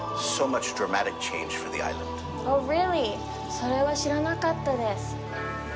それは知らなかったです。